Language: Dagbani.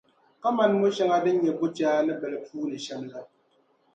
kaman mɔ’ shɛŋa din nyɛ bɔchaa ni bili puu ni shɛm la.